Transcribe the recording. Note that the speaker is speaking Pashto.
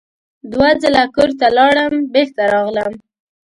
دوه ځله کور ته لاړم بېرته راغلم.